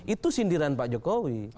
itu sindiran pak jokowi